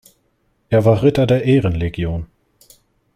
Er war Ritter der Ehrenlegion.